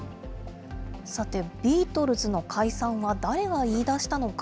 さて、ビートルズの解散は誰が言い出したのか？